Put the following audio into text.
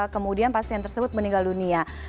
kemudian pasien tersebut meninggal dunia